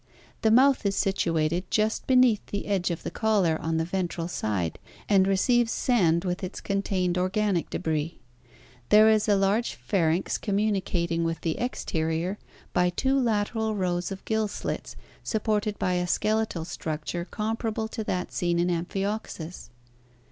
The mouth is situated just beneath the edge of the collar on the ventral side and receives sand with its contained organic debris. There is a large pharynx communicating with the exterior by two lateral rows of gill slits supported by a skeletal structure comparable to that seen in Ampkioxus.